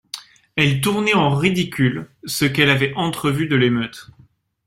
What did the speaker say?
Elle tournait en ridicule ce qu'elle avait entrevu de l'émeute.